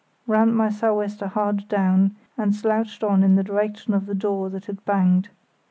rammed my sou' wester hard down, and slouched on in the direction of the door that had banged.